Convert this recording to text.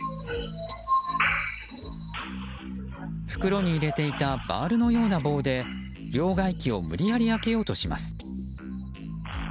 袋に入れていたバールのような棒で両替機を無理やり開けようとします。